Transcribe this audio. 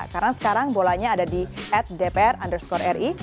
karena sekarang bolanya ada di ad dpr underscore ri